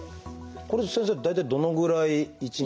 これって先生大体どのぐらい１日に。